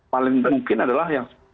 paling mungkin adalah yang